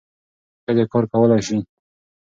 ښځې کار کولای سي.